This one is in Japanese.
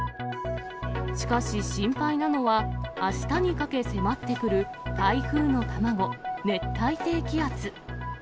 しかし、心配なのは、あしたにかけ迫ってくる台風の卵、熱帯低気圧。